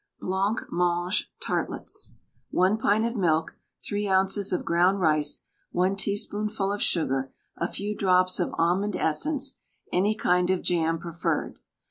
BLANCMANGE TARTLETS. 1 pint of milk, 3 oz. of ground rice, 1 teaspoonful of sugar, a few drops of almond essence, any kind of jam preferred.